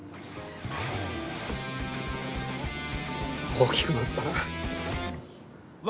大きくなったなあ。